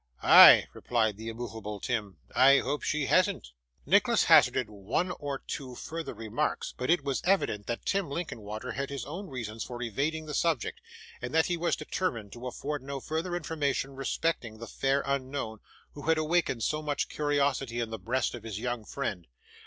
'Ay,' replied the immovable Tim, 'I hope she hasn't.' Nicholas hazarded one or two further remarks, but it was evident that Tim Linkinwater had his own reasons for evading the subject, and that he was determined to afford no further information respecting the fair unknown, who had awakened so much curiosity in the breast of his young friend.